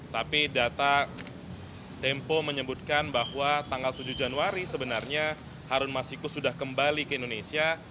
tapi data tempo menyebutkan bahwa tanggal tujuh januari sebenarnya harun masiku sudah kembali ke indonesia